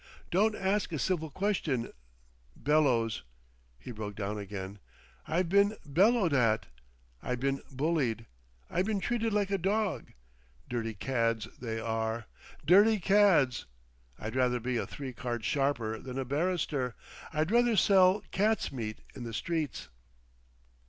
Don't ask a civil question—bellows." He broke down again. "I've been bellowed at, I been bullied, I been treated like a dog. Dirty cads they are! Dirty cads! I'd rather be a Three Card Sharper than a barrister; I'd rather sell cat's meat in the streets.